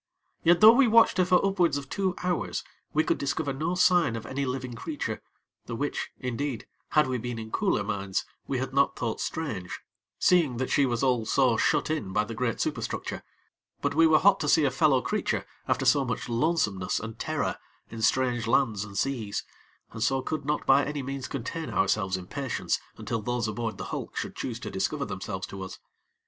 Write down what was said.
Yet though we watched her for upwards of two hours, we could discover no sign of any living creature, the which, indeed, had we been in cooler minds, we had not thought strange, seeing that she was all so shut in by the great superstructure; but we were hot to see a fellow creature, after so much lonesomeness and terror in strange lands and seas, and so could not by any means contain ourselves in patience until those aboard the hulk should choose to discover themselves to us.